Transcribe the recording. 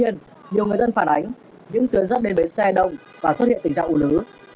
nhiều người dân phản ánh những tuyến dắt đến bến xe đông và xuất hiện tình trạng ủn lứ